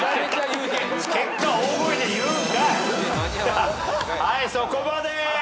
はいそこまで。